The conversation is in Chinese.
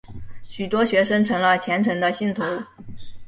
许多学生成了虔诚的信徒。